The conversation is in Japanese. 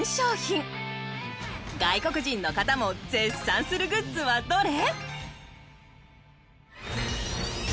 外国人の方も絶賛するグッズはどれ？